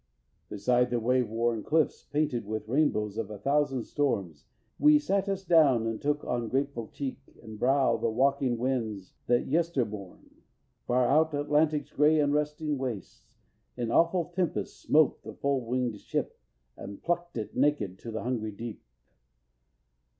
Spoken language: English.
_ Beside the wave worn cliffs, Painted with rainbows of a thousand storms, We sat us down, and took on grateful cheek And brow the waking winds that yestermorn, Far out Atlantic's grey unresting wastes, In awful tempest smote the full winged ship And pluckt it naked to the hungry deep.